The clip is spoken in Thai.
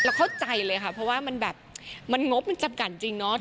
เข้าใจเลยค่ะเพราะว่ามันแบบมันงบมันจำกัดจริงเนาะ